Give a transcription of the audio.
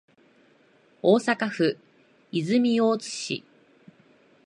大阪府泉大津市